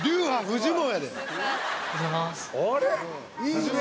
おはようございます。